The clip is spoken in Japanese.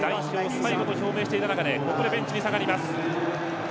最後と表明している中でここでベンチに下がります。